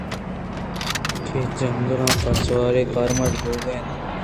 کہ جنگاں پہ سواریءَکارمرز بوہگءَاَت